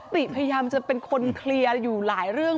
ติพยายามจะเป็นคนเคลียร์อยู่หลายเรื่อง